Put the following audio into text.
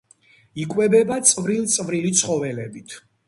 იკვებება წვრილ-წვრილი ცხოველებით.